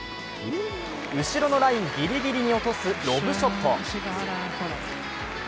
後ろのラインぎりぎりに落とすロブショット。